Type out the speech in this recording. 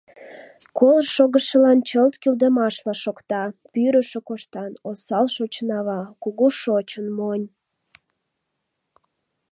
Колышт шогышылан чылт кӱлды машла шокта: «Пӱрышӧ коштан», «осал шочын ава», «кугу шочын» монь...